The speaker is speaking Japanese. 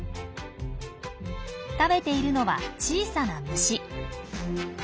食べているのは小さな虫。